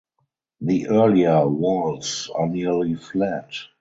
The earlier whorls are nearly flat.